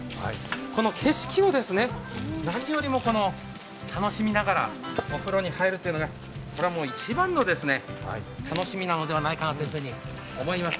この景色を何よりも楽しみながらお風呂に入るというのがこれはもう一番の楽しみなのではないかなと思います。